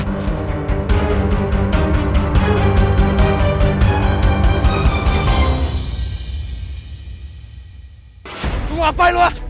kamu mau apain lu ah